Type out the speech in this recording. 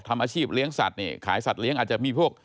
ทำอาชีพเลี้ยงสัตว์เนี่ยขายสัตว์เลี้ยงอาจจะมีพวก